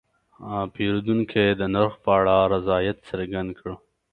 پیرودونکی د نرخ په اړه رضایت څرګند کړ.